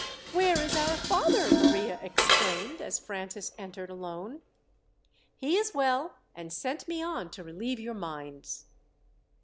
"Where is our father?" Maria exclaimed, as Francis entered alone. "He is well, and sent me on to relieve your minds."